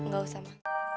gak usah ma